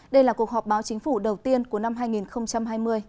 đây là cuộc họp báo chính phủ đầu tiên của năm hai nghìn hai mươi